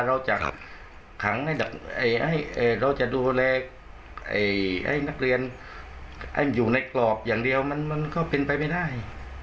เราจะดูแลให้นักเรียนอยู่ในกรอกอย่างเดียวมันก็เป็นไปไม่ได้